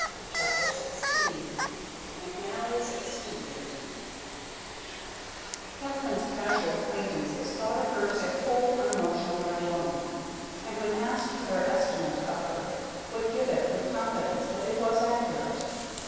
CHAPTER XVI McNALLY's EXPEDIENT Katherine's casual acquaintances thought of her as a cool, unemotional young woman, and when asked for their estimate of her would give it with confidence that it was accurate.